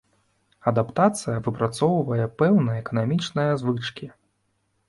Адаптацыя выпрацоўвае пэўныя эканамічныя звычкі.